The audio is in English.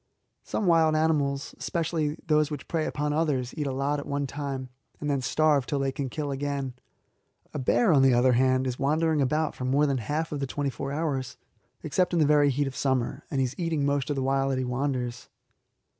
Some wild animals, especially those which prey upon others, eat a lot at one time, and then starve till they can kill again. A bear, on the other hand, is wandering about for more than half of the twenty four hours, except in the very heat of summer, and he is eating most of the while that he wanders.